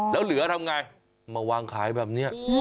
แล้วเหลือทำไงมาวางขายแบบนี้